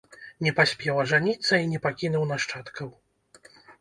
Не паспеў ажаніцца і не пакінуў нашчадкаў.